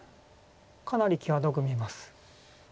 かなり際どく見えます。